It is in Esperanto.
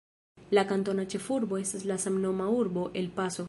La kantona ĉefurbo estas la samnoma urbo El Paso.